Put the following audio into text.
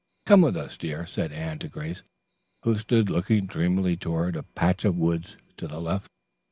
"Come with us, dear," said Anne to Grace, who stood looking dreamily toward a patch of woods to the left.